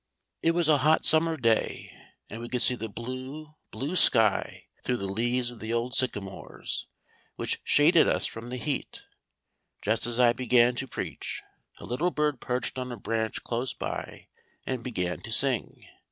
_] "It was a hot summer day, and we could see the blue, blue sky through the leaves of the old sycamores, which shaded us from the heat. Just as I began to preach, a little bird perched on a branch close by and began to sing.